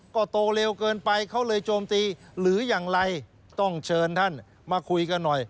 ก็โตเร็วเกินไปเขาเลยโจมตีหรืออย่างไรต้องเชิญท่านมาคุยกันหน่อย